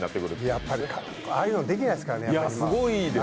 やっぱりああいうのできないですからね。